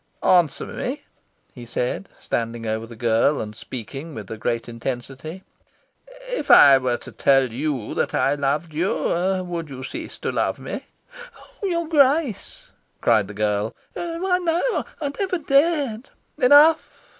Answer me," he said, standing over the girl, and speaking with a great intensity. "If I were to tell you that I loved you, would you cease to love me?" "Oh your Grace!" cried the girl. "Why no! I never dared " "Enough!"